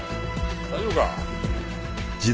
大丈夫か？